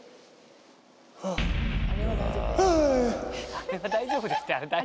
あれは大丈夫ですか？